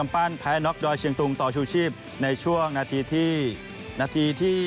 แพทย์น็อกดอยเชียงตรงต่อชูชีพในช่วงนาทีที่๑